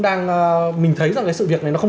đang mình thấy rằng cái sự việc này nó không